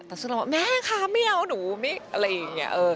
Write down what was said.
แต่สุดท้ายเราว่าแม่คะไม่เอาหนูอะไรอย่างนี้